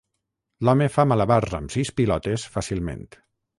L'home fa malabars amb sis pilotes fàcilment.